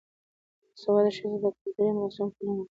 باسواده ښځې د کلتوري مراسمو پالنه کوي.